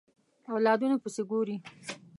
اولادونو پسې ګوري